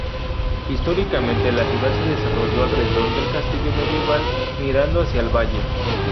Históricamente, la ciudad se desarrolló alrededor del castillo medieval, mirando hacia el valle.